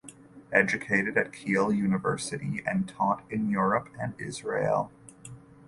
Educated at Kiel University and taught in Europe and Israel.